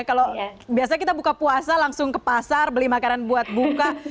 kalau biasanya kita buka puasa langsung ke pasar beli makanan buat buka